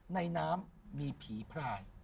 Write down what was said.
ในน้ำมีผีพลาย